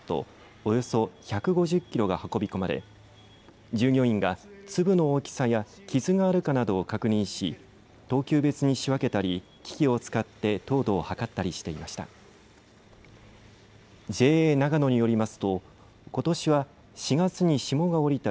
およそ１５０キロが運び込まれ従業員が粒の大きさや傷があるかなどを確認し、等級別に仕分けたり、機器を使って糖度を測ったりしていました。